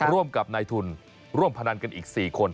ร่วมกับนายทุนร่วมพนันกันอีก๔คน